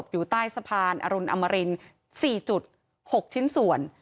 อยู่ใต้สะพานอรุณอมริน๔๖ชิ้นส่วน